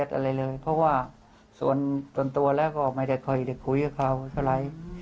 ตรงนี้คุณพ่อเห็นตามนั้นไหมคะหรือว่า